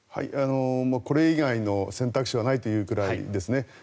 これ以外の選択肢はないというくらいですね。